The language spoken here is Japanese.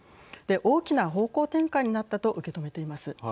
大きな方向転換になったと受け止めています。